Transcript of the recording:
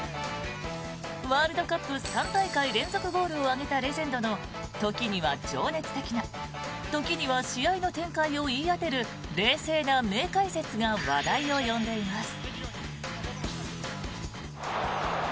ワールドカップ３大会連続ゴールを挙げたレジェンドの時には情熱的な時には試合の展開を言い当てる冷静な名解説が話題を呼んでいます。